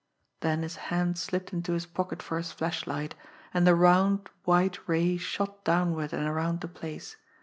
Then his hand slipped into his pocket for his flashlight, and the round, white ray shot downward and around the place.